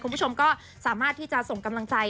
คุณผู้ชมก็สามารถที่จะส่งกำลังใจ